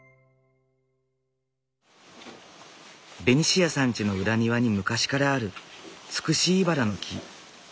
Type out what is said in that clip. ベニシアさんちの裏庭に昔からあるツクシイバラの木。